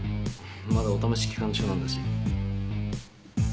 まだお試し期間中なんだし。